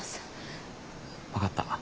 分かった。